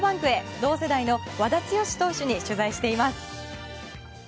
同世代の和田毅投手に取材しています。